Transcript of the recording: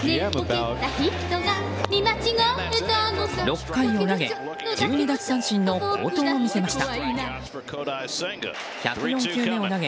６回を投げ１２奪三振の好投を見せました。